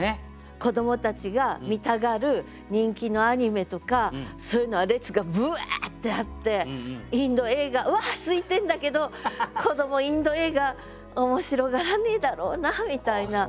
子どもたちが見たがる人気のアニメとかそういうのは列がブワーッてあってインド映画は空いてんだけど子どもインド映画面白がらねえだろうなみたいな。